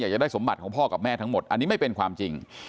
จะได้สมบัติของพ่อกับแม่ทั้งหมดอันนี้ไม่เป็นความจริง